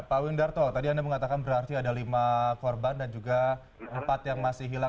pak windarto tadi anda mengatakan berarti ada lima korban dan juga empat yang masih hilang